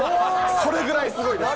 それぐらいすごいです。